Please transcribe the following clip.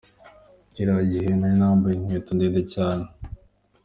Kiriya gihe nari nambaye inkweto ndende cyane.